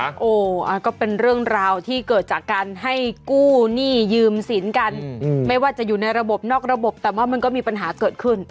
โอ้ก็เป็นเรื่องราวที่เกิดจากการให้กู้หนี้ยืมสินกันไม่ว่าจะอยู่ในระบบนอกระบบแต่ว่ามันก็มีปัญหาเกิดขึ้น